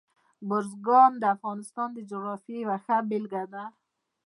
بزګان د افغانستان د جغرافیې یوه ښه بېلګه ده.